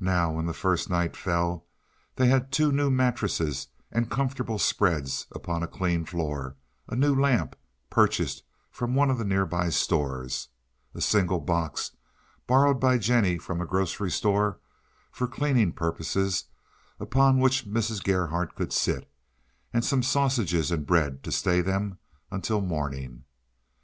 Now, when the first night fell, they had two new mattresses and comfortables spread upon a clean floor; a new lamp, purchased from one of the nearby stores, a single box, borrowed by Jennie from a grocery store, for cleaning purposes, upon which Mrs. Gerhardt could sit, and some sausages and bread to stay them until morning.